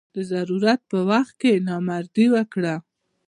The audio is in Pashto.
د ضرورت په وخت کې نامردي وکړه.